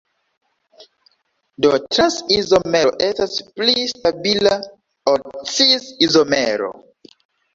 Do trans-izomero estas pli stabila ol cis-izomero.